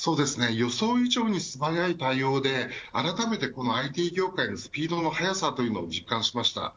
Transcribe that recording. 予想以上に素早い対応であらためてこのＩＴ業界のスピードの速さというのを実感しました。